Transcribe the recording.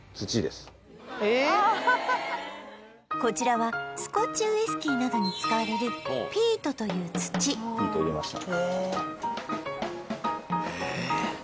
こちらはスコッチウィスキーなどに使われるピートという土ピート入れました